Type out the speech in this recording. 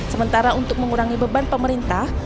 sementara untuk mengurangi beban pemerintah